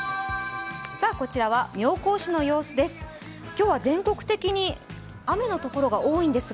こちらは妙高市の様子です。